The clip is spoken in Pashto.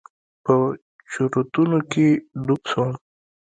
په چورتونو کښې ډوب سوم.